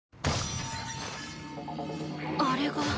あれが。